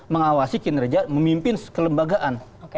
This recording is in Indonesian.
mengawasi kinerja memimpin kelembagaan